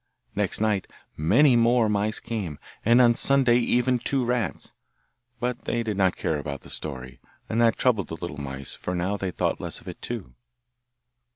Next night many more mice came, and on Sunday even two rats; but they did not care about the story, and that troubled the little mice, for now they thought less of it too.